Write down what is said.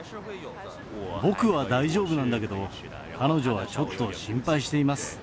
僕は大丈夫なんだけど、彼女はちょっと心配しています。